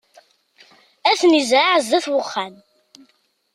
Ad ten-izreε zdat uxxam.